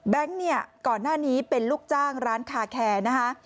เนี่ยก่อนหน้านี้เป็นลูกจ้างร้านคาแคร์นะคะ